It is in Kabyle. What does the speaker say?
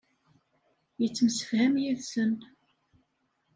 Yettemsefham yid-sen.